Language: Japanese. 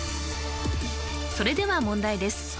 それでは問題です